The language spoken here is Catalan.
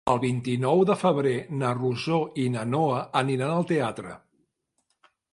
El vint-i-nou de febrer na Rosó i na Noa aniran al teatre.